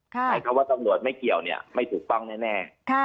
ใช้คำว่าตำรวจไม่เกี่ยวเนี่ยไม่ถูกต้องแน่